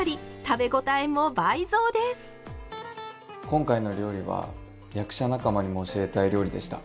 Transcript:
今回の料理は役者仲間にも教えたい料理でした。